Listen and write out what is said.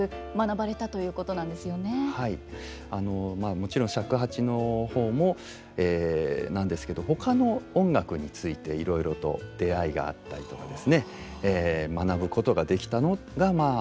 もろちん尺八の方もなんですけどほかの音楽についていろいろと出会いがあったりとかですね学ぶことができたのがまあ本当に大きかったと思います。